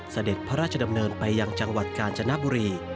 สะเด็ดพระราชดำเนินไปอย่างจังหวัดกาลจงภบุรี